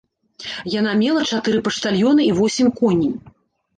Яна мела чатыры паштальёны і восем коней.